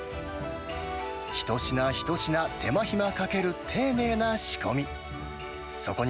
一品一品、手間ひまかける丁寧な仕込み。